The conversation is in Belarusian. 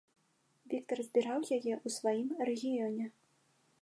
Віктар збіраў яе ў сваім рэгіёне.